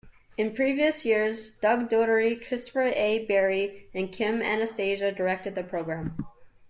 In previous years, Doug Dougherty, Christopher A. Berry and Kim Anastasia directed the program.